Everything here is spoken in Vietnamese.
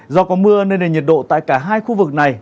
do có mưa nên nền nhiệt độ tại cả hai khu vực này